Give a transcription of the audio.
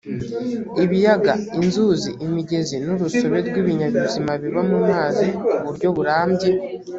ibiyaga inzuzi imigezi n urusobe rw ibinyabuzima biba mu mazi ku buryo burambye